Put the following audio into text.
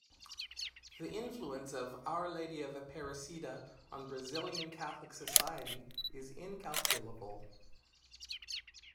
The influence of Our Lady of Aparecida on Brazilian Catholic society is incalculable.